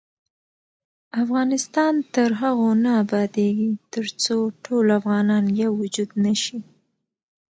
افغانستان تر هغو نه ابادیږي، ترڅو ټول افغانان یو وجود نشي.